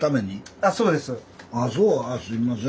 あすいません。